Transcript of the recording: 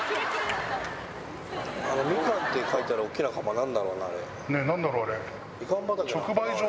みかんって書いてある大きなね、なんだろう、あれ。